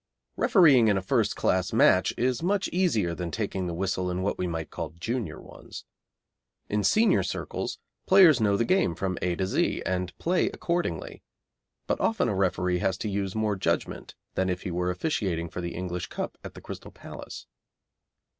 Refereeing in a first class match is much easier than taking the whistle in what we might call junior ones. In senior circles players know the game from "A" to "Z," and play accordingly; but often a referee has to use more judgment than if he were officiating for the English Cup at the Crystal Palace.